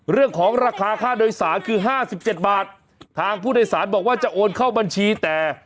เรื่องของราคาค่าโดยสารคือห้าสิบเจ็ดบาททางผู้โดยสารบอกว่าจะโอนเข้าบัญชีแต่